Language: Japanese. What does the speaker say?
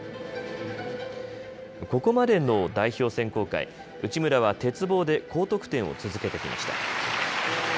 ここまでの代表選考会、内村は鉄棒で高得点を続けてきました。